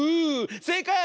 せいかい！